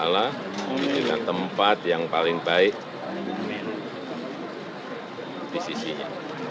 dengan tempat yang paling baik di sisinya